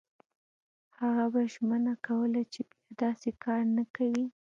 هغه به ژمنه کوله چې بیا داسې کار نه کوي.